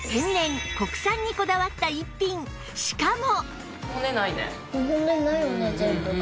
しかも